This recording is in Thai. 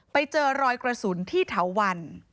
ไปเจอรอยกระสุนที่เถาวัน